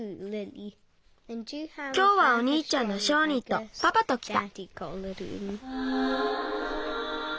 きょうはおにいちゃんのショーニーとパパときた。